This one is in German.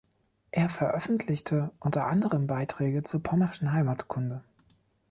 Er veröffentlichte unter anderem Beiträge zur pommerschen Heimatkunde.